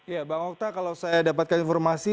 ya bang okta kalau saya dapatkan informasi